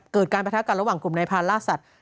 เกิดการประทะกันระหว่างกลุ่มนายพานล่าสัตว